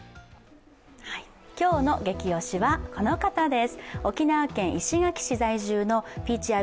今日のゲキ推しは、この方です。